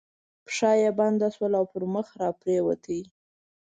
پښه یې بنده شول او پر مخ را پرېوت.